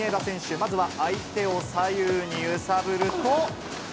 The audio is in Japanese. まずは相手を左右に揺さぶると。